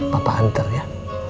papa antar ya